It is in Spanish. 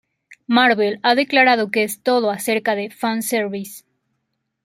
Marvel ha declarado que es "todo acerca de "fan service".